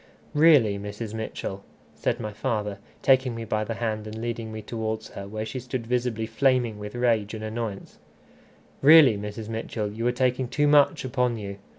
"Really, Mrs. Mitchell," said my father, taking me by the hand and leading me towards her, where she stood visibly flaming with rage and annoyance, "really, Mrs. Mitchell, you are taking too much upon you!